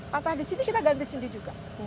patah di sini kita ganti sendiri juga